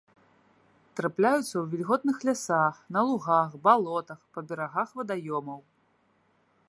Трапляюцца ў вільготных лясах, на лугах, балотах, па берагах вадаёмаў.